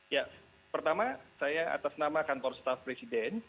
ya pertama saya atas nama kantor staff presiden